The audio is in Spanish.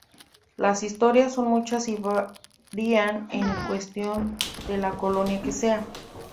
Las historias son muchas y varían en cuestión de la colonia que sea.